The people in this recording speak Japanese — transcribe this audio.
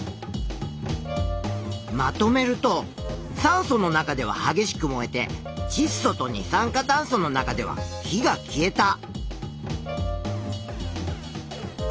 まとめると酸素の中でははげしく燃えてちっ素と二酸化炭素の中では火が消えた。